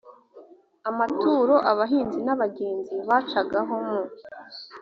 amaturo abahinzi n abagenzi bacaga aho mu